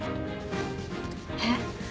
えっ？